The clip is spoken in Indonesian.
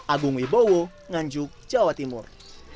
agung wibowo nganjuk jawa timur